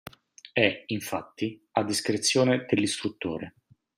È, infatti, a discrezione dell'istruttore.